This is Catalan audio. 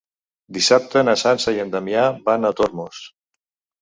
Dissabte na Sança i en Damià van a Tormos.